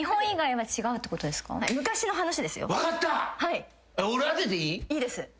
いいです。